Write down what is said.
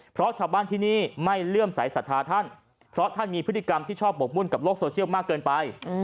เพราะชาวบ้านที่นี่ไม่เลื่อมสายศรัทธาท่านเพราะท่านมีพฤติกรรมที่ชอบบกมุ่นกับโลกโซเชียลมากเกินไป